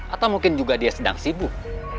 atau mungkin juga dia sedang sibuk